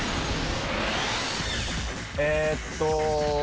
えーっと。